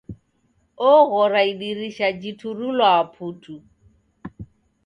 Oghora idirisha jiturulwaa putu!